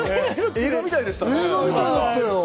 映画みたいでしたね。